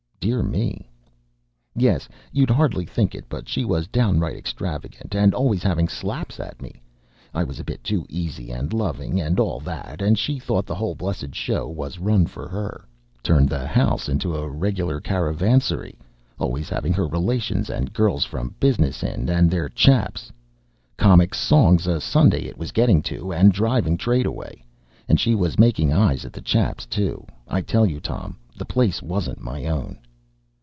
"Dear me!" "Yes. You'd hardly think it, but she was downright extravagant, and always having slaps at me. I was a bit too easy and loving, and all that, and she thought the whole blessed show was run for her. Turned the 'ouse into a regular caravansery, always having her relations and girls from business in, and their chaps. Comic songs a' Sunday, it was getting to, and driving trade away. And she was making eyes at the chaps, too! I tell you, Tom, the place wasn't my own."